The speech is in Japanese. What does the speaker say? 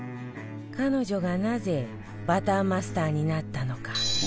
彼女がなぜバターマスターになったのか？